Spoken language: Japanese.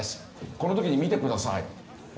この時に見てください。